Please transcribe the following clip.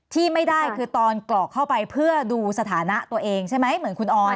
ที่ไม่ได้คือตอนกรอกเข้าไปเพื่อดูสถานะตัวเองใช่ไหมเหมือนคุณออน